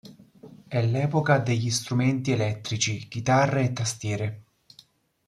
È l'epoca degli strumenti elettrici, Chitarre e Tastiere.